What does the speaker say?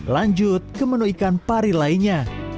lanjut ke menu ikan pari lainnya